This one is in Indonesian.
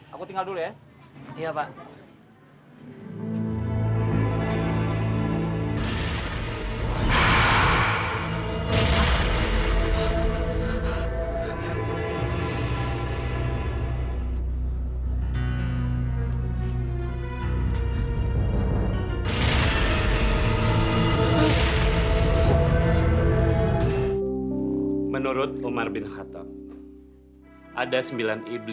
aku tinggal dulu ya